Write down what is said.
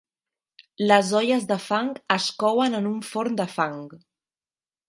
Les olles de fang es couen en un forn de fang.